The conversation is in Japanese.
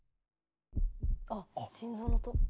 あっ心臓の音。